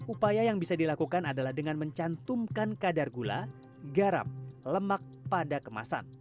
upaya yang bisa dilakukan adalah dengan mencantumkan kadar gula garam lemak pada kemasan